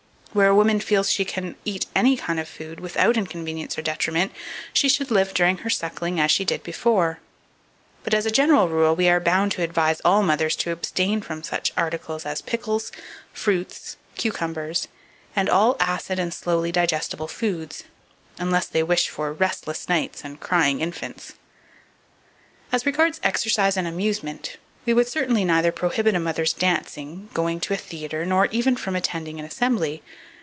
Where a woman feels she can eat any kind of food, without inconvenience or detriment, she should live during her suckling as she did before; but, as a general rule, we are bound to advise all mothers to abstain from such articles as pickles, fruits, cucumbers, and all acid and slowly digestible foods, unless they wish for restless nights and crying infants. 2478. As regards exercise and amusement, we would certainly neither prohibit a mother's dancing, going to a theatre, nor even from attending an assembly.